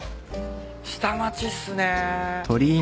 下町っすね。